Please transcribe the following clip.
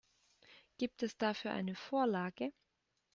Gibt es dafür eine Vorlage?